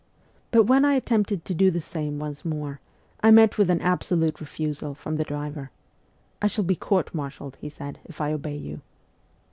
But when I attempted to do the same once more, I met with an absolute refusal from the driver. ' I shall be court martialled,' he said, ' if I obey you.'